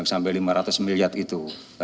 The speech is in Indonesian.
sampai lima ratus miliar itu